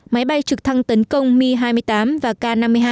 máy bay trực thăng tấn công mi hai mươi tám và k năm mươi hai